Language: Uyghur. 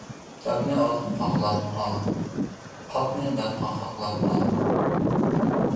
داپنى ئوتقا قاقلاپ ئال، قاپنى داپقا قاپلاپ ئال.